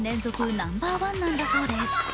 ナンバーワンなんだそうです。